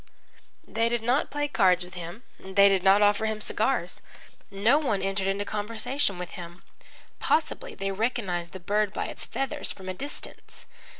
They did not play cards with him, they did not offer him cigars. No one entered into conversation with him. Possibly they recognised the bird by its feathers from a distance.